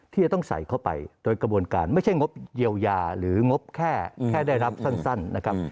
ที่จะต้องใส่เข้าไปโดยกระบวนการไม่ใช่งบเยียวยาหรืองบแค่แค่ได้รับสั้นนะครับ